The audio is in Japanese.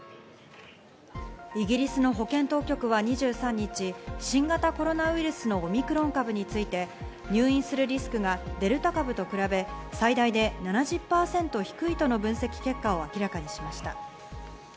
イギリスの保健当局は２３日、新型コロナウイルスのオミクロン株について、入院するリスクがデルタ株と比べ、最大で７０％低いとの分析結果を明らかにしました。